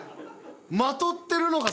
まとってるのが。